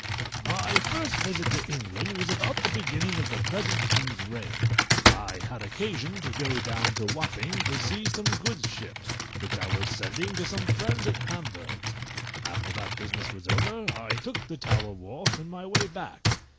_ My first visit to England was about the beginning of the present king's reign. I had occasion to go down to Wapping, to see some goods shipped, which I was sending to some friends at Hamburgh; after that business was over, I took the Tower Wharf in my way back.